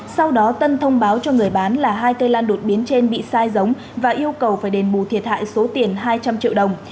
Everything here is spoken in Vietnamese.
sau đó tân thông báo cho người bán là hai cây lan đột biến trên bị sai giống và yêu cầu phải đền bù thiệt hại số tiền hai trăm linh triệu đồng